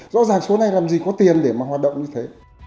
rõ ràng số này làm gì có tiền để mà hoạt động như thế